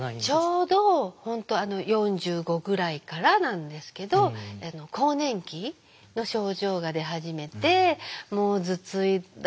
ちょうど本当４５ぐらいからなんですけど更年期の症状が出始めてもう頭痛だ